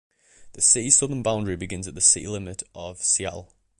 The city's southern boundary begins at the city limit of Seattle.